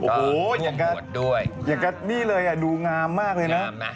โอ้โหอย่างกับนี่เลยดูงามมากเลยนะ